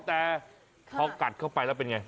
แต่พอกัดเข้าไปแล้วเป็นไง